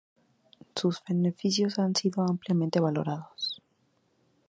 Sus beneficios han sido ampliamente valorados.